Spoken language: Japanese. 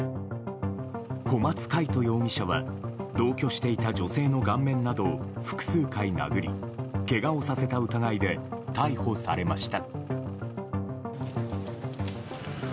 小松魁人容疑者は同居していた女性の顔面などを複数回殴りけがをさせた疑いで逮捕されました。